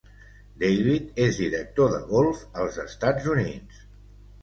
David és director de golf als Estats Units.